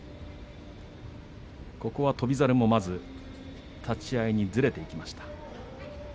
翔猿もまず立ち合いにずれていきました。